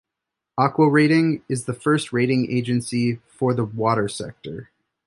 AquaRating is the first rating agency for the water sector.